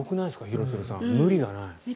廣津留さん、無理がない。